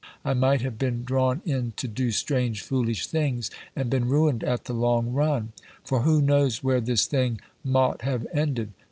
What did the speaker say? I might have been drawne in to do strange foolish things, and been ruin'd at the long run; for who knows where this thing mought have ended?